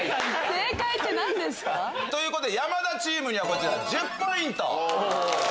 「正解」って何ですか？ということで山田チームには１０ポイント。